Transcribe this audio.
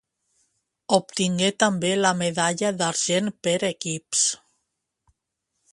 Obtingué també la medalla d'argent per equips.